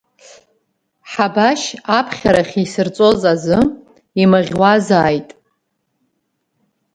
Ҳабашь аԥхьара ахьисырҵоз азы, имаӷьуазааит…